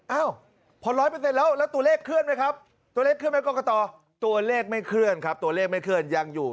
เอ้าพอน๑๐๐เป็นเต็มแล้วแล้วตัวเลขเคลื่อนไหมครับกองกะตอตัวเลขไม่เคลื่อนครับตัวเลขไม่เคลื่อนยังอยู่